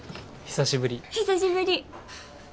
久しぶり。